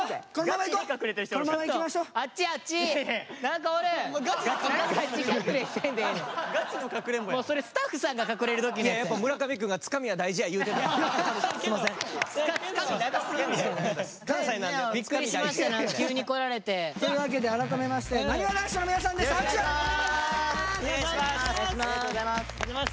ビックリしました急に来られて。というわけで改めましてなにわ男子の皆さんです。